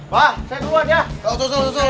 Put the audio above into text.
pak saya keluar ya